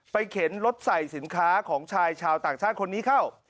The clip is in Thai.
เข็นรถใส่สินค้าของชายชาวต่างชาติคนนี้เข้า